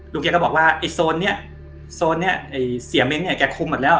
แกก็บอกว่าไอ้โซนนี้โซนนี้ไอ้เสียเม้งเนี่ยแกคุมหมดแล้ว